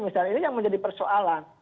misalnya ini yang menjadi persoalan